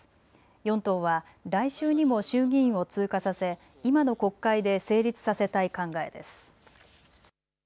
４党は来週にも衆議院を通過させ今の国会で成立させたい考えです。